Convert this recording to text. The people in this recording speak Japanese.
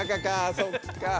そっか。